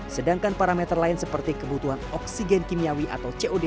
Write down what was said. sedangkan parameter lain seperti kebutuhan oksigen kimiawi atau cod